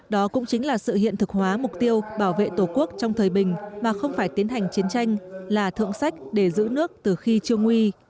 đó cũng chính là sự hiện thực hóa mục tiêu bảo vệ tổ quốc trong thời bình mà không phải tiến hành chiến tranh là thượng sách để giữ nước từ khi chưa nguy